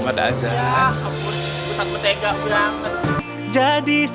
kalian yang bawain